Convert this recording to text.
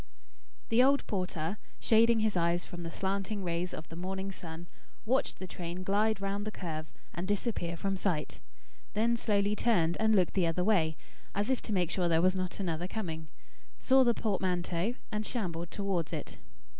The old porter, shading his eyes from the slanting rays of the morning sun, watched the train glide round the curve and disappear from sight; then slowly turned and looked the other way, as if to make sure there was not another coming, saw the portmanteau, and shambled towards it.